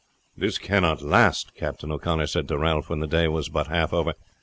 "This cannot last," Captain O'Connor said to Ralph when the day was but half over.